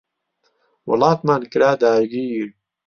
وڵاتمان کرا داگیر